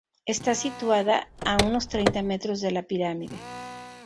Está situada a unos treinta metros de la pirámide.